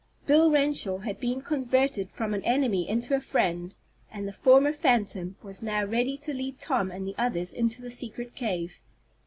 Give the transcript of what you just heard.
Bill Renshaw had been converted from an enemy into a friend, and the former phantom was now ready to lead Tom and the others into the secret cave.